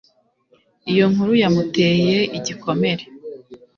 iyo nkuru yamuteye igikomere